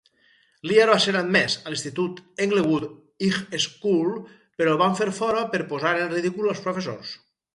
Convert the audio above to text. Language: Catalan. Lear va ser admès a l'institut Englewood High School però el fan fer fora per posar en ridícul als professors.